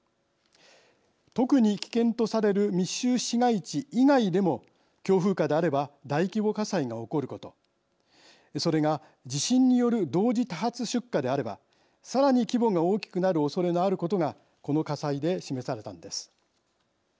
特に危険とされる密集市街地以外でも強風下であれば大規模火災が起こることそれが地震による同時多発出火であればさらに規模が大きくなるおそれのあることがこの火災で示されたんです。